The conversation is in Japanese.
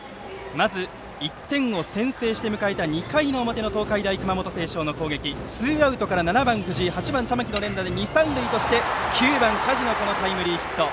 まず、１点を先制して迎えた２回の表の東海大熊本星翔の攻撃ツーアウトから７番、藤井８番、玉木の連打で二、三塁として９番、加地のヒット。